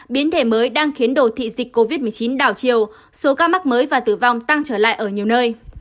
biến thể mới đang khiến đồ thị dịch covid một mươi chín đảo chiều số ca mắc mới và tử vong tăng trở lại ở nhiều nơi